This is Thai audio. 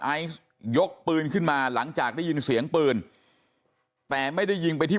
ไอซ์ยกปืนขึ้นมาหลังจากได้ยินเสียงปืนแต่ไม่ได้ยิงไปที่